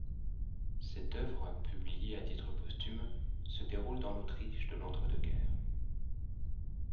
Cette œuvre, publiée à titre posthume, se déroule dans l’Autriche de l’entre-deux-guerres.